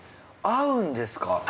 合うんですか？